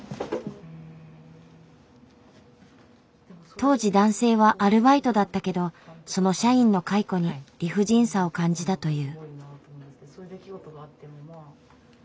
当時男性はアルバイトだったけどその社員の解雇に理不尽さを感じたという。